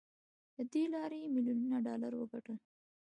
له دې لارې يې ميليونونه ډالر وګټل.